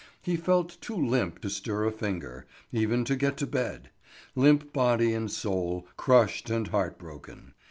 He felt too limp to stir a finger, even to get to bed; limp body and soul, crushed and heart broken.